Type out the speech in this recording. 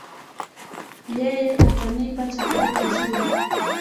Yeye atanipa chakula kizuri